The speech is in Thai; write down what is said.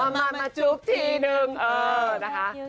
มามาจุ๊บทีนึงเออนะคะ